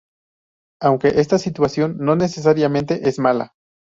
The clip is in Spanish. Aunque esta situación no necesariamente es mala.